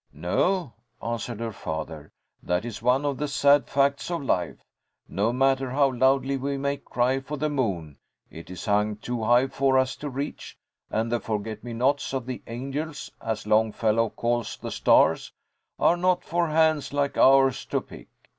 "No," answered her father, "that is one of the sad facts of life. No matter how loudly we may cry for the moon, it is hung too high for us to reach, and the 'forget me nots of the angels,' as Longfellow calls the stars, are not for hands like ours to pick.